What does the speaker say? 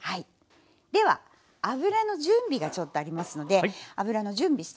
では油の準備がちょっとありますので油の準備していきましょう。